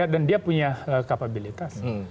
dan dia punya kapabilitas